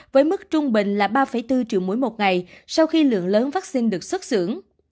với mức trung bình là ba bốn triệu mũi một ngày sau khi lượng lớn vaccine được xuất xưởng